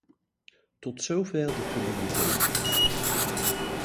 Tot zover de fundamentele kwesties.